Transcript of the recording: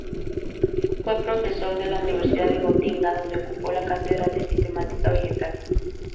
Fue profesor de la Universidad de Gotinga, donde ocupó la cátedra de Sistemática Vegetal.